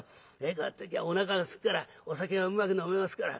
こうやっときゃおなかがすくからお酒がうまく飲めますから」。